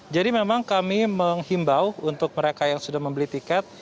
jadi memang kami menghimbau untuk mereka yang sudah membeli tiket